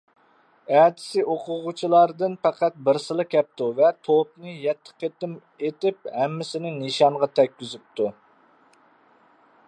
ئەتىسى ئوقۇغۇچىلاردىن پەقەت بىرسىلا كەپتۇ ۋە توپنى يەتتە قېتىم ئېتىپ ھەممىسىنى نىشانغا تەگكۈزۈپتۇ.